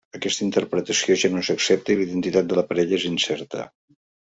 Aquesta interpretació ja no s'accepta, i la identitat de la parella és incerta.